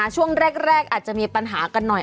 ช่วงแรกอาจจะมีปัญหากันหน่อย